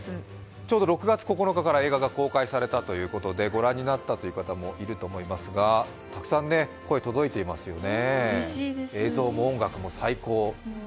ちょうど６月９日から映画が公開されたということでご覧になったという方もいると思いますが、たくさん声、届いていますよね。